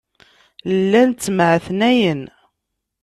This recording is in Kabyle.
Llan ttemɛetnayen.